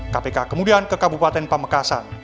kpk kemudian ke kabupaten pamekasan